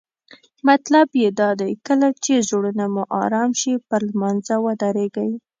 مطلب یې دا دی کله چې زړونه مو آرام شي پر لمانځه ودریږئ.